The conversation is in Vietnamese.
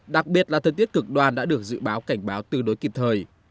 đặc biệt là thời tiết cực đoan đã được dự báo cảnh báo tương đối kịp thời